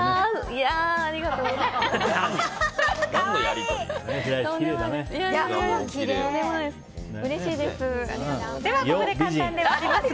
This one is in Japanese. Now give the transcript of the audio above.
いやー、ありがとうございます。